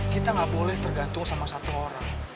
kita nggak boleh tergantung sama satu orang